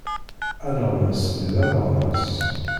Aneɣmas-nni d ameɣnas.